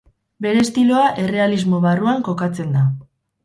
Bere estiloa Errealismo barruan kokatzen da.